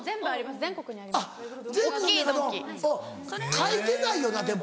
書いてないよなでも。